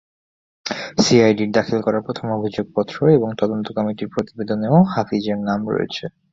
সিআইডির দাখিল করা প্রথম অভিযোগপত্র এবং তদন্ত কমিটির প্রতিবেদনেও হাফিজের নাম রয়েছে।